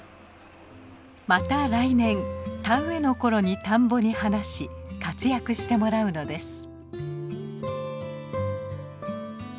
また来年田植えの頃に田んぼに放し活躍してもらうのです。